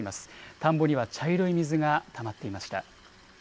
田んぼには茶色い水がたまっていました。